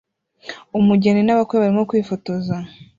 Umugeni nabakwe barimo kwifotoza